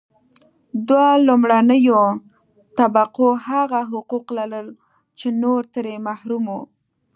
دوه لومړنیو طبقو هغه حقوق لرل چې نور ترې محروم وو.